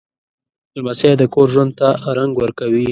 لمسی د کور ژوند ته رنګ ورکوي.